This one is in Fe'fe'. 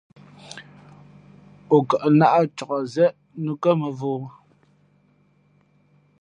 O kαʼ nāʼ cak zě nǔkά mᾱvǒ.